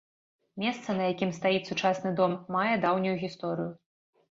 Месца, на якім стаіць сучасны дом, мае даўнюю гісторыю.